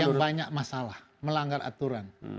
yang banyak masalah melanggar aturan